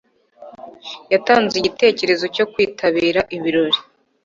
Yatanze igitekerezo cyo kwitabira ibirori.